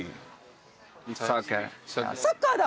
サッカーだ！